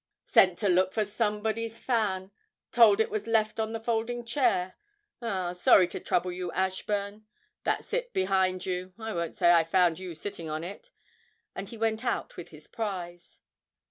'Sent to look for somebody's fan; told it was left on the folding chair. Ah, sorry to trouble you, Ashburn; that's it behind you; I won't say I found you sitting on it.' And he went out with his prize.